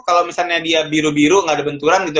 kalau misalnya dia biru biru nggak ada benturan gitu